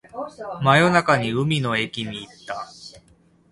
真夜中に海の駅に行った